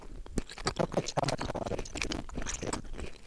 kutoka chama tawala cha Demokrasia